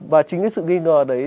và chính cái sự nghi ngờ đấy